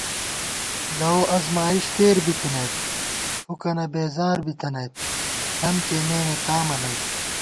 لَؤ ازمائیش تېر بِتَنَئیت، فُکَنہ بېزار بِتَنَئیت، ݪم کېئیمېنےتامہ نئ